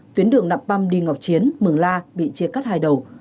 tuyến đường nạp păm đi ngọc chiến mường la bị chia cắt hai đầu